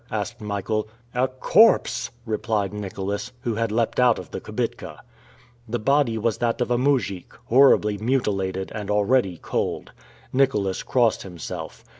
asked Michael. "A corpse!" replied Nicholas, who had leapt out of the kibitka. The body was that of a moujik, horribly mutilated, and already cold. Nicholas crossed himself.